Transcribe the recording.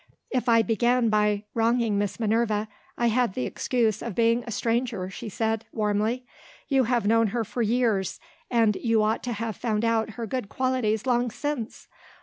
"If I began by wronging Miss Minerva, I had the excuse of being a stranger," she said, warmly. "You have known her for years, and you ought to have found out her good qualities long since!